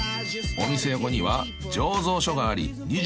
［お店横には醸造所があり］